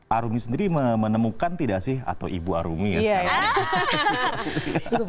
arumi sendiri menemukan tidak sih atau ibu arumi ya sekarang